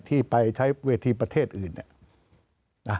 ที่ไปใช้เวทีประเทศอื่น